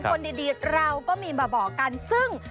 คนดีเราก็มีมาบอกกันซึ่ง